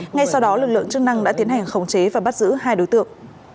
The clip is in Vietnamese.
ngay sau đó lực lượng chức năng đã tiến hành khống chế và bắt giữ hai đối tượng